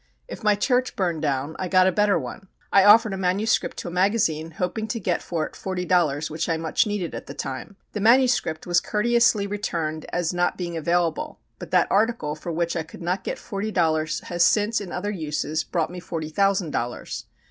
If my church burned down I got a better one. I offered a manuscript to a magazine, hoping to get for it forty dollars, which I much needed at the time. The manuscript was courteously returned as not being available; but that article for which I could not get forty dollars has since, in other uses, brought me forty thousand dollars.